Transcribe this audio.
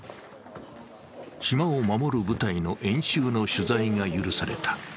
島を守る部隊の演習の取材が許された。